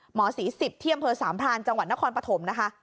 หมอสี๑๐เที่ยมเผลอสามพารจังหวัดนครปฐมนะคะ